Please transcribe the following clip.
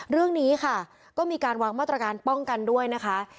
เรื่องนี้ค่ะก็มีการวางมาตรการป้องกันด้วยนะคะ